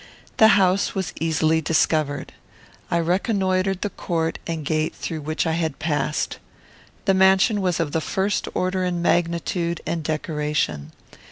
The house was easily discovered. I reconnoitred the court and gate through which I had passed. The mansion was of the first order in magnitude and decoration.